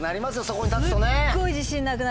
そこに立つとね。